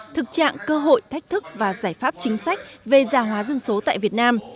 thực trạng cơ hội thách thức và giải pháp chính sách về gia hóa dân số tại việt nam